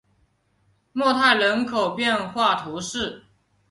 莫泰人口变化图示